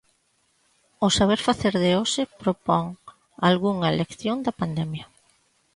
O 'Saber facer' de hoxe propón "algunha lección da pandemia".